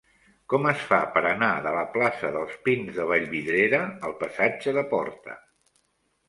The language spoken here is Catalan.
Com es fa per anar de la plaça dels Pins de Vallvidrera al passatge de Porta?